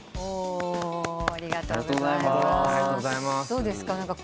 どうですか？